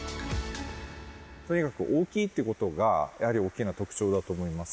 とにかく大きいってことが、やはり大きな特徴だと思います。